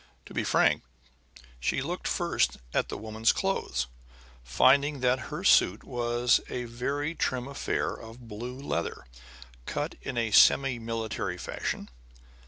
To be frank, she looked first at the woman's clothes, finding that her suit was a very trim affair of blue leather, cut in a semi military fashion.